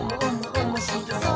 おもしろそう！」